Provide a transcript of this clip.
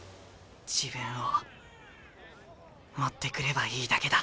自分を持ってくればいいだけだ。